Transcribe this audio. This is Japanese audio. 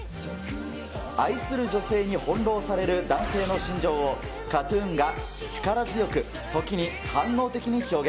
愛する女性に翻弄される男性の心情を、ＫＡＴーＴＵＮが力強く、時に官能的に表現。